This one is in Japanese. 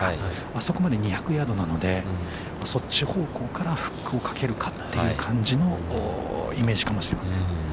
あそこまで２００ヤードなので、そっち方向からフックをかけるかという感じのイメージかもしれません。